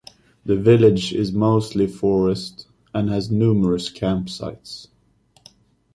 The village is mostly forest, and has numerous camp sites.